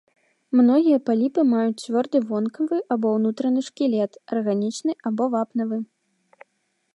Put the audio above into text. Многія паліпы маюць цвёрды вонкавы або ўнутраны шкілет, арганічны або вапнавы.